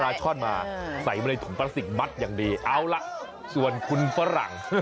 ช่อนมาใส่มาในถุงพลาสติกมัดอย่างดีเอาล่ะส่วนคุณฝรั่ง